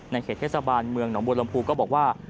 เขตเทศบาลเมืองหนองบัวลำพูก็บอกว่า